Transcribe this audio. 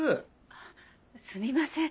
あっすみません。